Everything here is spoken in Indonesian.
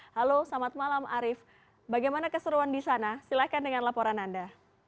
halo selamat malam arief bagaimana keseruan di sana silahkan dengan laporan anda